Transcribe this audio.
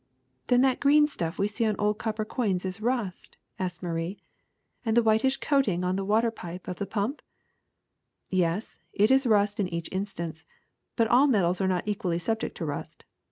'' *^Then that green stuff we see on old copper coins is rust?" asked Marie. ^^And the whitish coating on the water pipe of the pumpf Yes, it is rust in each instance. But all metals are not equally subject to rust.